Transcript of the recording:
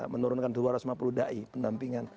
menurunkan dua ratus lima puluh da'i